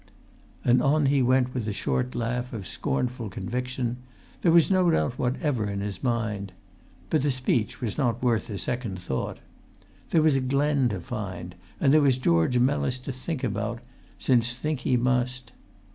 And on he went with a short laugh of scornful conviction; there was no doubt whatever in his mind; but the speech was not worth a second thought. There was Glen to find, and there was George Mellis to think about, since think he must.